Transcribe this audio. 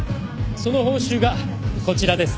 その報酬がこちらです。